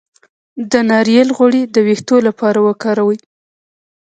د ناریل غوړي د ویښتو لپاره وکاروئ